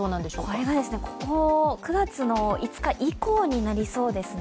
これがここ、９月５日以降になりそうですね。